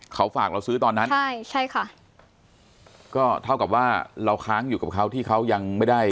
เขาฝากเราซื้อตอนนั้นใช่ใช่ค่ะก็เท่ากับว่าเราค้างอยู่กับเขาที่เขายังไม่ได้